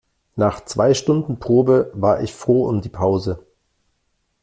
Nach zwei Stunden Probe, war ich froh um die Pause.